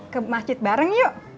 ke masjid bareng yuk